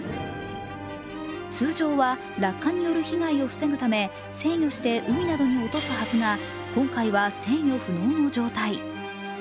通常は落下による被害を防ぐため制御して海などに落とすはずが今回は制御不能の状態。